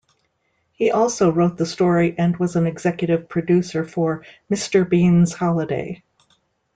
He also wrote the story and was an executive producer for "Mr. Bean's Holiday".